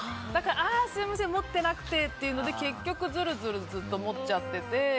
ああ、すみません持ってなくてっていうので結局、ずるずるずっと持っちゃってて。